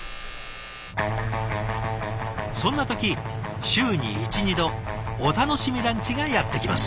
そんな時週に１２度お楽しみランチがやってきます。